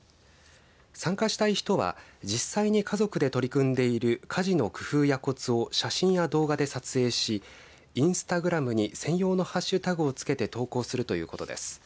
参加したい人は実際に家族で取り組んでいる家事の工夫や、こつを写真や動画で撮影しインスタグラムに専用のハッシュタグを付けて投稿するということです。